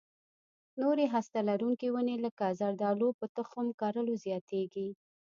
نورې هسته لرونکې ونې لکه زردالو په تخم کرلو زیاتېږي.